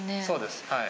そうです。